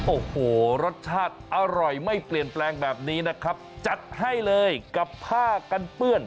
โอ้โหรสชาติอร่อยไม่เปลี่ยนแปลงแบบนี้นะครับจัดให้เลยกับผ้ากันเปื้อน